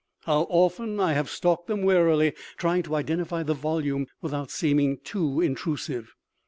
How often I have stalked them warily, trying to identify the volume without seeming too intrusive.